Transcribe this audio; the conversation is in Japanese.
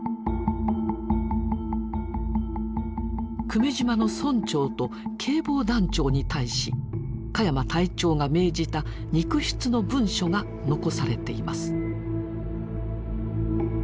久米島の村長と警防団長に対し鹿山隊長が命じた肉筆の文書が残されています。